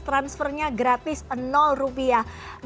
transfernya gratis rupiah